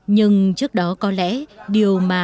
nhưng trước đó có lẽ điều mà